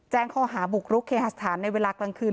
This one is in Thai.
แจ้งข้อหาบุกรุกเคหาสถานในเวลากลางคืน